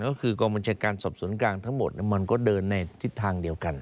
ก็คือกองบัญชาการสอบสวนกลางทั้งหมดมันก็เดินในทิศทางเดียวกัน